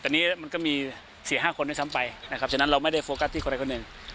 แต่นี่มันก็มี๔๕คนไม่ซ้ำไปฉะนั้นเราไม่ได้โฟกัสที่คนไหนคนหนึ่ง